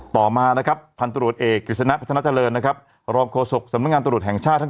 ต่อมานะครับพันธุรกิริสณะพัฒนาเจริญนะครับรอบโคสกสำนักงานตรวจแห่งชาติ